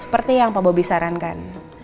seperti yang pak bobi sarankan